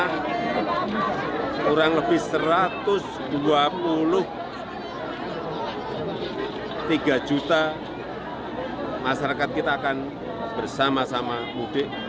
kurang lebih satu ratus dua puluh tiga juta masyarakat kita akan bersama sama mudik